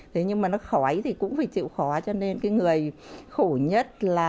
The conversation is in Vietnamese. thế nhưng mà nó khói thì cũng phải chịu khó cho nên cái người khổ nhất là